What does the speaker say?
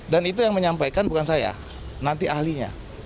dan itu yang menyampaikan bukan saya nanti ahlinya